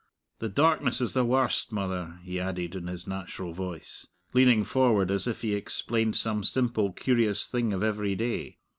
The darkness is the warst, mother," he added, in his natural voice, leaning forward as if he explained some simple, curious thing of every day.